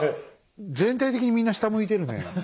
全体的にみんな下向いてるねえ。